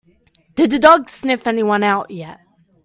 Did the dog sniff anyone out yet?